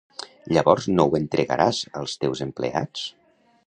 Llavors no ho entregaràs als teus empleats?